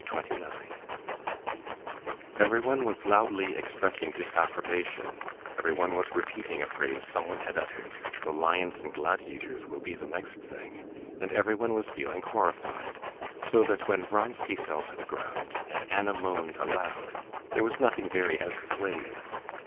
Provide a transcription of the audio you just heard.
Chapter 29 Everyone was loudly expressing disapprobation, everyone was repeating a phrase someone had uttered—"The lions and gladiators will be the next thing," and everyone was feeling horrified; so that when Vronsky fell to the ground, and Anna moaned aloud, there was nothing very out of the way in it.